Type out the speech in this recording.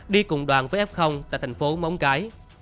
đi cùng đoàn với f tại thành phố móng cái